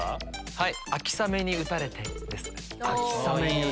はい。